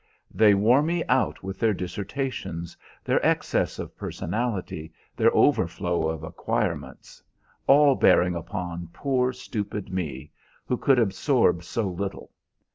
They wore me out with their dissertations, their excess of personality, their overflow of acquirements, all bearing upon poor, stupid me, who could absorb so little.